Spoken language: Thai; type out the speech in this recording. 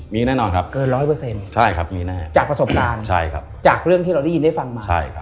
มีแน่นอนครับมีแน่นอนครับจากประสบการณ์จากเรื่องที่เราได้ยินได้ฟังมา